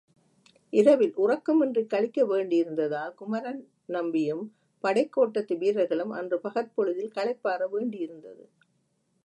இரவில் உறக்கமின்றி கழிக்க வேண்டியிருந்ததால் குமரன் நம்பியும் படைக் கோட்டத்து வீரர்களும், அன்று பகற் பொழுதில் களைப்பாற வேண்டியிருந்தது.